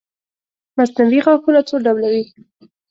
مصنوعي غاښونه څو ډوله وي